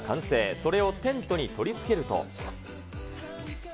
それをテントに取り付けると。